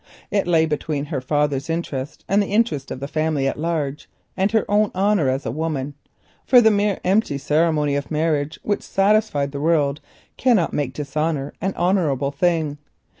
It lay between her father's interest and the interest of the family at large and her own honour as a woman—for the mere empty ceremony of marriage which satisfies society cannot make dishonour an honourable thing.